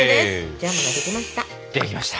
ジャムができました。